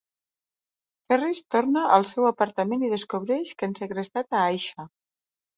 Ferris torna al seu apartament i descobreix que han segrestat a Aixa.